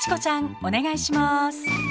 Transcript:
お願いします。